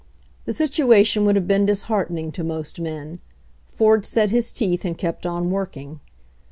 The situation would have been disheartening to most men. Ford set his teeth and kept on working.